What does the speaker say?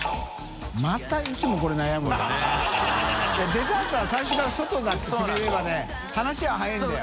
デザートは最初から外だって茲瓩譴个話は早いんだよ。